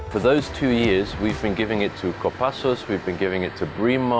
kami mencari cara untuk menggambarkan